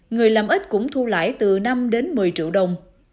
người làm ít cũng thu lại từ năm đến một mươi triệu đồng